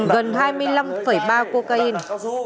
gần hai mươi năm triệu đồng